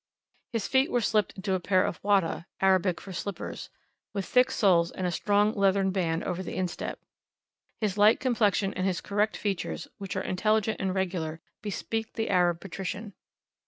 His feet were slipped into a pair of watta (Arabic for slippers), with thick soles and a strong leathern band over the instep. His light complexion and his correct features, which are intelligent and regular, bespeak the Arab patrician.